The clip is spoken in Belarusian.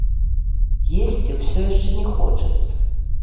Есці ўсё яшчэ не хочацца.